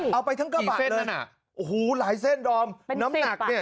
เอาไปทั้งกระบะนั่น่ะโอ้โหหลายเส้นดอมเป็นสิบน้ำหนักเนี้ย